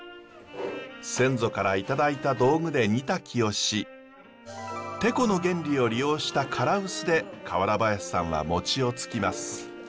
先祖からいただいた道具で煮炊きをしテコの原理を利用した唐臼で河原林さんは餅をつきます。